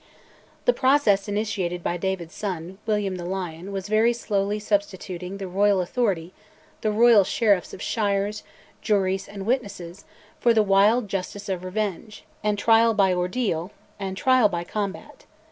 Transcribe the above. The process initiated by David's son, William the Lion, was very slowly substituting the royal authority, the royal sheriffs of shires, juries, and witnesses, for the wild justice of revenge; and trial by ordeal, and trial by combat.